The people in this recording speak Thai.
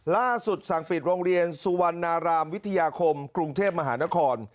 ล่าสุดสั่งปิดโรงเรียนสุวรรณารามวิทยาคมกรุงเทพมหานคร